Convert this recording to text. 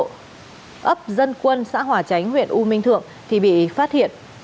ấp dân quân xã hỏa chánh huyện u minh thượng bị phát hiện